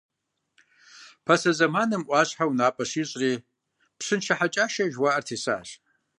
Пасэ зэманым, мы ӏуащхьэм унапӏэ щищӏри, Пщыншэ Хьэкӏашэ жыхуаӏэр тесащ.